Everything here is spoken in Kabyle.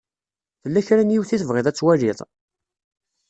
Tella kra n yiwet i tebɣiḍ ad twaliḍ?